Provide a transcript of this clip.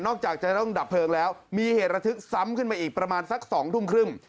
จากจะต้องดับเพลิงแล้วมีเหตุระทึกซ้ำขึ้นมาอีกประมาณสัก๒ทุ่มครึ่ง